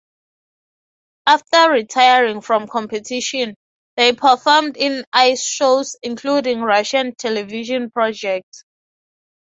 After retiring from competition, they performed in ice shows, including Russian television projects.